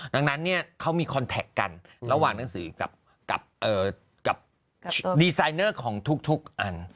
ดังนั้นเขามีคอนแท็กกันระหว่างหนังสือกับดีไซเนอร์ของทุกอัน